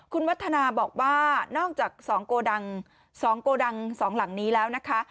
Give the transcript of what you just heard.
คุณวัฒนาบอกว่านอกจาก๒โกดัง๒โกดัง๒หลังนี้แล้วนะคะ